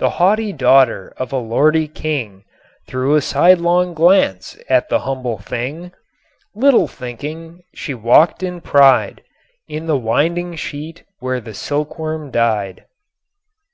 The haughty daughter of a lordly king Threw a sidelong glance at the humble thing, Little thinking she walked in pride In the winding sheet where the silkworm died.